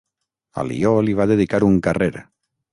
Alió li va dedicar un carrer.